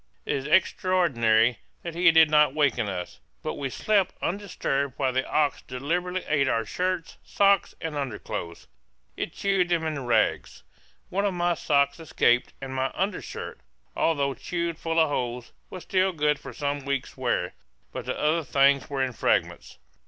It is extraordinary that he did not waken us; but we slept undisturbed while the ox deliberately ate our shirts, socks, and underclothes! It chewed them into rags. One of my socks escaped, and my undershirt, although chewed full of holes, was still good for some weeks' wear; but the other things were in fragments.